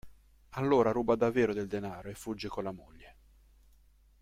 Allora ruba davvero del denaro e fugge con la moglie.